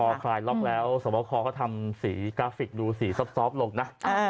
คอคลายล็อคแล้วสมมติคอลก็ทำสีกราฟิกดูสีซอบลงนะ